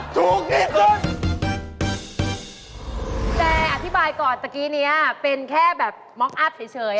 แต่อธิบายก่อนตะกี้เนี้ยเป็นแค่แบบม็กอัพเฉย